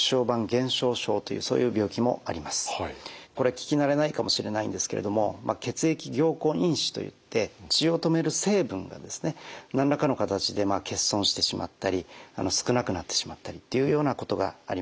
聞き慣れないかもしれないんですけれども血液凝固因子といって血を止める成分がですね何らかの形で欠損してしまったり少なくなってしまったりっていうようなことがありまして。